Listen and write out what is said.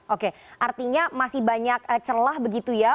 oke artinya masih banyak celah begitu ya